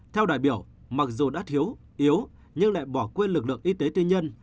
theo đại biểu mặc dù đã hiếu yếu nhưng lại bỏ quên lực lượng y tế tư nhân